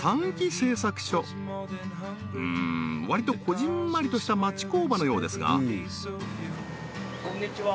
うん割とこぢんまりとした町工場のようですがこんにちは